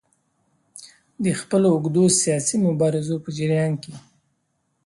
د خپلو اوږدو سیاسي مبارزو په جریان کې.